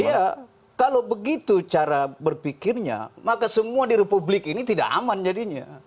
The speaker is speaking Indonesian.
iya kalau begitu cara berpikirnya maka semua di republik ini tidak aman jadinya